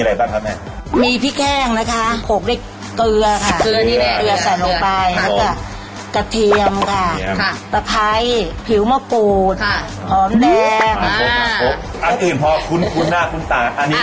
แล้วแสงคือนี่และเนี้ยนะเนี้ยอย่างเดียวกันค่ะ